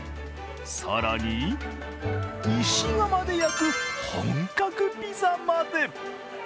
更に、石窯で焼く本格ピザまで。